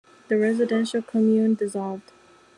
The residential commune dissolved.